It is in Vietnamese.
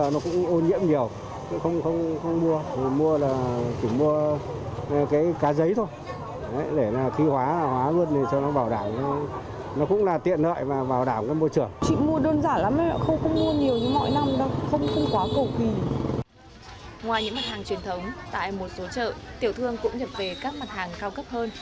ngoài những mặt hàng truyền thống tại một số chợ tiểu thương cũng nhập về các mặt hàng cao cấp hơn